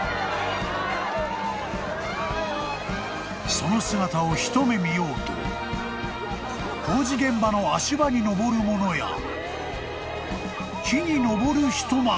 ［その姿を一目見ようと工事現場の足場にのぼる者や木に登る人まで］